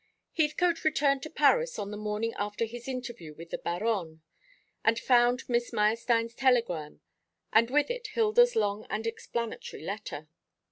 Heathcote returned to Paris on the morning after his interview with the Baronne, and found Miss Meyerstein's telegram, and with it Hilda's long and explanatory letter.